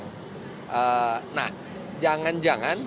nah jangan jangan diperlukan satu rencana